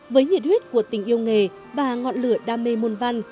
với nhiệt huyết của tình yêu nghề và ngọn lửa đam mê môn văn